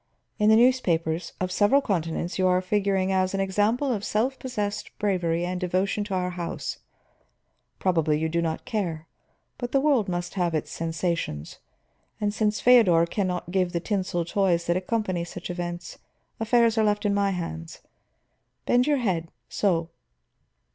In the newspapers of several continents you are figuring as an example of self possessed bravery and devotion to our house; probably you do not care, but the world must have its sensations. And since Feodor can not give the tinsel toys that accompany such events, affairs are left in my hands. Bend your head so."